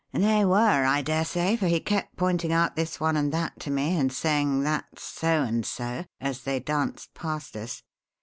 "They were, I dare say, for he kept pointing out this one and that to me and saying, 'That's so and so!' as they danced past us.